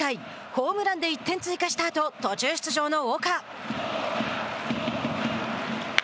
ホームランで１点追加したあと途中出場の岡。